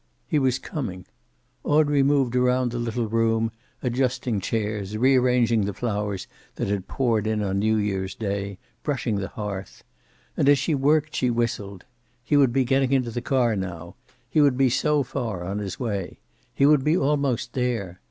He was coming. Audrey moved around the little room, adjusting chairs, rearranging the flowers that had poured in on New year's day, brushing the hearth. And as she worked she whistled. He would be getting into the car now. He would be so far on his way. He would be almost there.